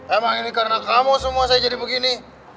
emang ini karena kamu semua saya jadi begini